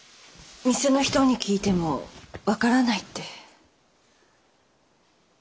店の人に聞いても分からないって。